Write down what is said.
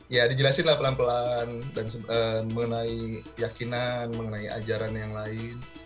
ya dijelasin lah pelan pelan dan mengenai keyakinan mengenai ajaran yang lain